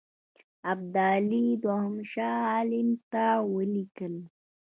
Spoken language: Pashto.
ابدالي دوهم شاه عالم ته ولیکل.